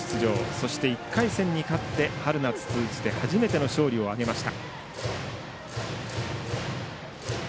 そして１回戦に勝って春夏通じて初めての勝利を挙げました。